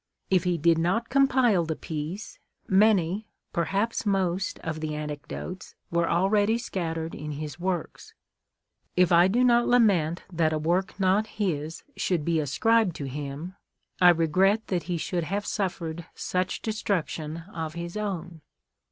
If he did not compile the piece, many, perhaps most, of the anecdotes were already scattered in his Avorks. If I do not lament that a work not his should be ascribed to him, I regret that he should have suffered such destruction of his own.